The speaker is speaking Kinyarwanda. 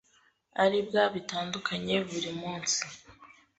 aribwa bitandukanye buri munsi